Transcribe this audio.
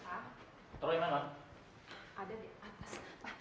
si troy ini kenapa sih ada di atas